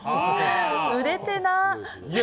売れてな。